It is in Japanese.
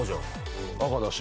赤だし。